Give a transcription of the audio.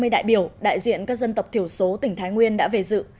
hai trăm năm mươi đại biểu đại diện các dân tộc thiểu số tỉnh thái nguyên đã về dự